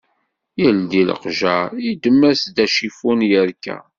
Yeldi leqjar, yeddem-as-d acifun yerka